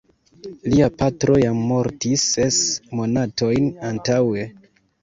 Lia patro jam mortis ses monatojn antaŭe.